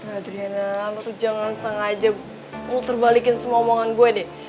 adriana tuh jangan sengaja muter balikin semua omongan gue deh